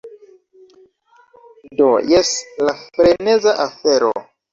Do, jes la freneza afero